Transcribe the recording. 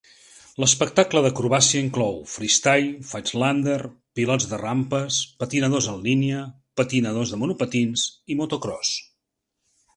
L'espectacle d'acrobàcia inclou freestyle, flatlander, pilots de rampes, patinadors en línia, patinadors de monopatins i motocròs.